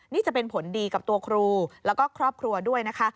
นี่จะเป็นผลดีกับตัวครูแล้วก็ครอบครัวด้วยนะคะ